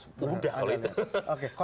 sudah oleh itu